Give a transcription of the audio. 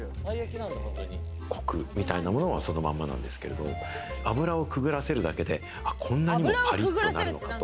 コクみたいなものは、そのままなんですけど、油をくぐらせるだけでこんなにもパリッとなるのかと。